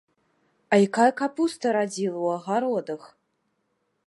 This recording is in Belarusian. А якая капуста радзіла ў агародах!